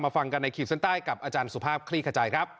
ฟังกันในขีดเส้นใต้กับอาจารย์สุภาพคลี่ขจายครับ